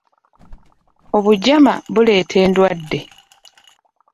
Obugyama buleeta endwadde.